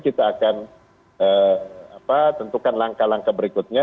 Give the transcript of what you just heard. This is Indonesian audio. kita akan tentukan langkah langkah berikutnya